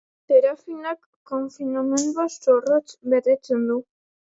Serafinak konfinamendua zorrotz betetzen du.